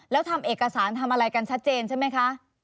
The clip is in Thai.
แล้วทำเอกสารทำอะไรกันชัดเจนใช่ไหมคะ